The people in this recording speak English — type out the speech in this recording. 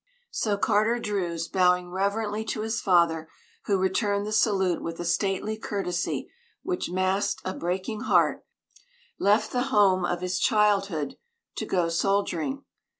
So Carter Druse, bowing reverently to his father, who returned the salute with a stately courtesy which masked a breaking heart, left the home of his childhood to go soldiering.